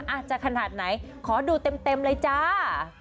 อาจจะขนาดไหนขอดูเต็มเลยจ้า